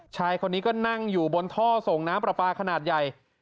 ชายคนนี้ก็นั่งอยู่บนท่อส่งน้ำปลาปลาขนาดใหญ่